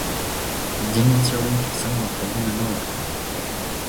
ځیني څېړونکي سم ماخذونه نه ورکوي.